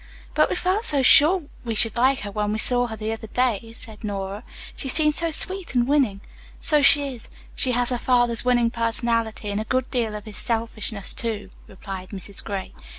"But we felt sure we should like her when we saw her the other day," said Nora. "She seemed so sweet and winning." "So she is. She has her father's winning personality, and a good deal of his selfishness, too," replied Mrs. Gray.